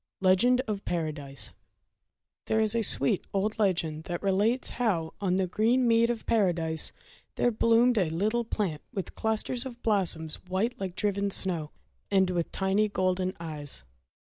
Legend of Paradise THERE is a sweet old legend that relates how on the green mead of Paradise there bloomed a little plant with clusters of blossoms white like driven snow, and with tiny golden eyes.